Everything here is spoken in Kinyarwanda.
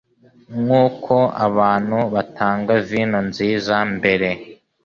Nkuko abantu batanga vino nziza mbere,